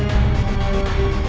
saya akan keluar